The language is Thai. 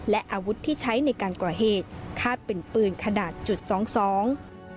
และอาวุธที่ใช้ในการก่อเหตุคาดเป็นปืนขนาดจุดสองสอง